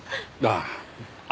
ああ。